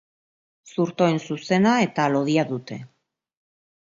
Zurtoin zuzena eta lodia dute.